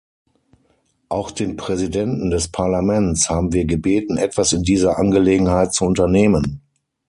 Auch den Präsidenten des Parlaments haben wir gebeten, etwas in dieser Angelegenheit zu unternehmen.